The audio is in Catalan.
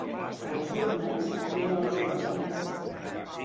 A les urnes, i no als jutjats.